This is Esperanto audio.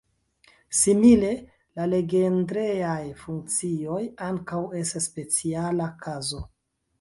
Simile, la Legendre-aj funkcioj ankaŭ estas speciala kazo.